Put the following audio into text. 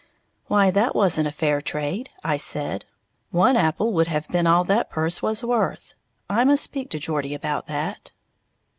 "Why, that wasn't a fair trade," I said, "one apple would have been all that purse was worth. I must speak to Geordie about that."